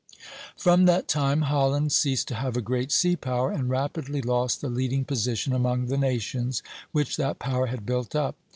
From that time Holland ceased to have a great sea power, and rapidly lost the leading position among the nations which that power had built up.